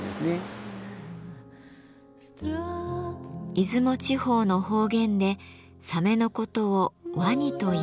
出雲地方の方言でサメのことを「ワニ」といいます。